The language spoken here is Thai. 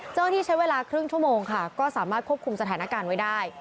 เจ้าหน้าที่ใช้เวลาครึ่งชั่วโมงค่ะก็สามารถควบคุมสถานการณ์ไว้ได้